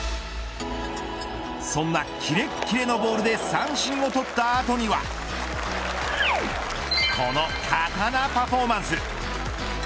そんなキレキレのボールで三振を取った後にはこの刀パフォーマンス。